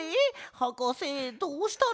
はかせどうしたの？